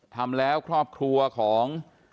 ทำแล้วครอบครัวของ